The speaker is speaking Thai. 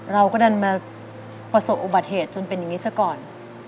เราก็ดันมาประสบอุบัติเหตุจนเป็นอย่างนี้ซะก่อน